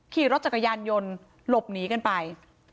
ขี่รถจักรยานยนต์หลบหนีกันไป